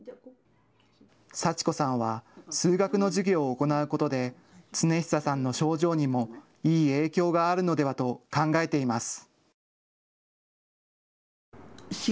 祥子さんは数学の授業を行うことで亘久さんの症状にもいい影響があるのではと考えています。